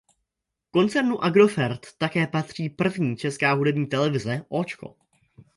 Koncernu Agrofert také patří první česká hudební televize Óčko.